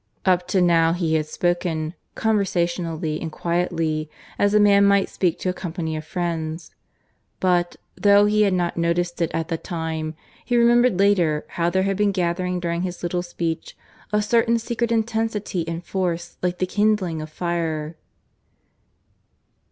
Up to now he had spoken, conversationally and quietly, as a man might speak to a company of friends. But, though he had not noticed it at the time, he remembered later how there had been gathering during his little speech a certain secret intensity and force like the kindling of a fire.